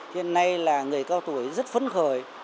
hiện nay là người cao tuổi rất phấn khởi